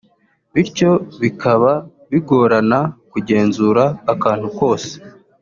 bityo bikaba bigorana kugenzura akantu kose